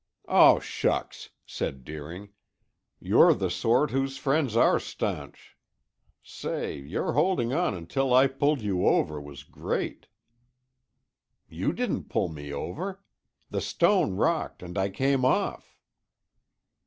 "Oh, shucks!" said Deering. "You're the sort whose friends are stanch. Say, your holding on until I pulled you over was great!" "You didn't pull me over. The stone rocked and I came off."